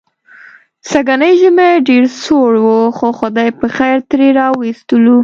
سږنی ژمی ډېر سوړ و، خو خدای پخېر ترې را و ایستلو.